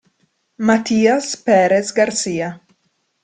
Matías Pérez García